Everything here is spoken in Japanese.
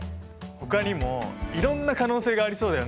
ほかにもいろんな可能性がありそうだよね。